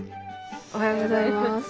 おはようございます。